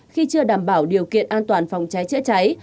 khi chưa đảm bảo điều kiện an toàn phòng cháy chữa cháy